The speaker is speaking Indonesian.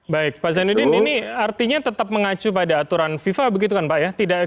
baik pak zainuddin ini artinya tetap mengacu pada aturan fifa begitu kan pak ya